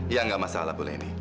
ya gak masalah